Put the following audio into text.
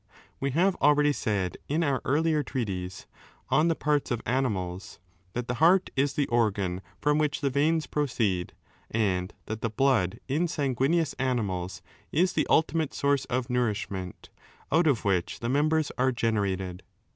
We have already said in our earlier treatise, 5 On the Parts of Animals^ that the heart is the organ from which the veins proceed, and that the blood in sanguineous animals is the ultimate source of nourish 469 <> ment, out of which the members are generated.